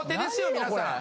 皆さん！